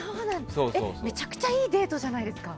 めちゃくちゃいいデートじゃないですか！